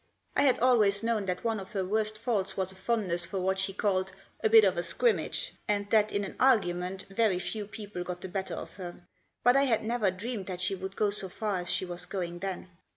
I had always known that one of her worst faults was a fondness for what she called " a bit of a scrimmage," and that in an argument very few people got the better of her ; but I had never dreamed that she would go so far as she was going then.